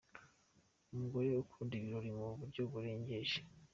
Umugore ukunda ibirori mu buryo burengeje .